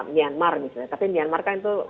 myanmar misalnya tapi myanmar kan itu